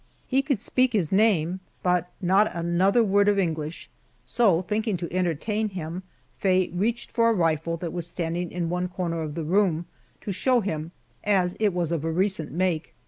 He could speak his name, but not another word of English, so, thinking to entertain him, Faye reached for a rifle that was standing in one corner of the room to show him, as it was of a recent make.